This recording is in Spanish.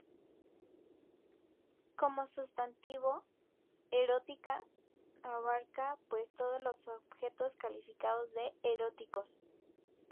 Como sustantivo "erótica" abarca pues todos los objetos calificados de "eróticos".